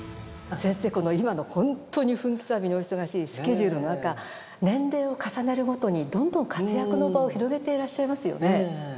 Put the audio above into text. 先生この今のホントに分刻みのお忙しいスケジュールの中年齢を重ねるごとにどんどん活躍の場を広げていらっしゃいますよね。